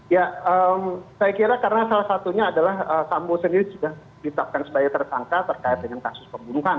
ya saya kira karena salah satunya adalah sambo sendiri sudah ditetapkan sebagai tersangka terkait dengan kasus pembunuhan